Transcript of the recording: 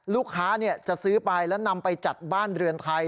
ลูกค้าจะซื้อไปแล้วนำไปจัดบ้านเรือนไทย